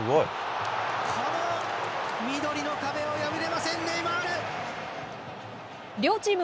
緑の壁を破れませんネイマール！